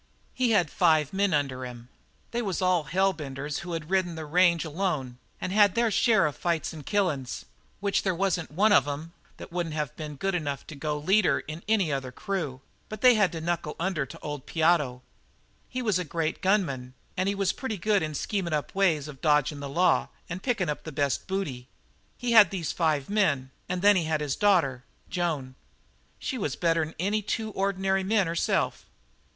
"He had five men under him. They was all hell benders who had ridden the range alone and had their share of fights and killings, which there wasn't one of 'em that wouldn't have been good enough to go leader in any other crew, but they had to knuckle under to old Piotto. He was a great gunman and he was pretty good in scheming up ways of dodging the law and picking the best booty. He had these five men, and then he had his daughter, Joan. She was better'n two ordinary men herself.